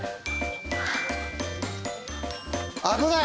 危ない！